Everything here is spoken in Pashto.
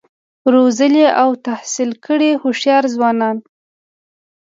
روزلي او تحصیل کړي هوښیار ځوانان